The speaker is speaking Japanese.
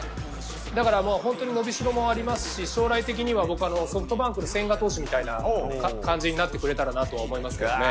だから、伸びしろもありますし将来的にはソフトバンクの千賀投手みたいになってくれたらと思います。